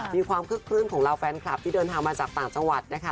มีความคึกคลื่นของเราแฟนคลับที่เดินทางมาจากต่างจังหวัดนะคะ